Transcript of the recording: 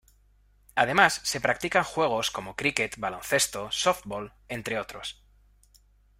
Además se practican juegos como críquet, baloncesto, Softball, entre otros.